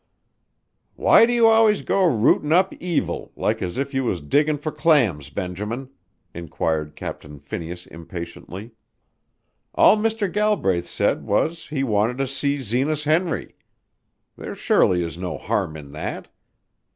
"Why do you always go rootin' up evil like as if you was diggin' fur clams, Benjamin?" inquired Captain Phineas impatiently, "All Mr. Galbraith said was he wanted to see Zenas Henry. There surely is no harm in that.